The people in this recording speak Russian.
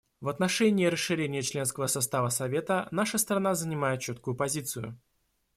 В отношении расширения членского состава Совета наша страна занимает четкую позицию.